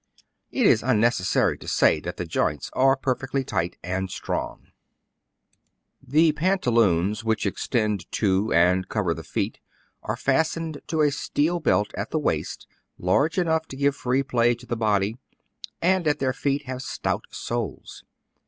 It is unnecessary to say that the joints are per fectly tight and strong. The pantaloons, which extend to and cover the feet, are fastened to a steel belt at the waist, large enough to give free play to the body, and at their feet have stout soles.